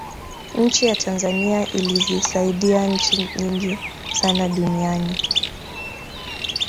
nchi ya tanzania ilizisaidia nchi nyingi sana duniani